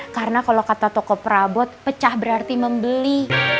karena kalau kata toko perabot pecah berarti membeli